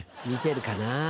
見てるかな？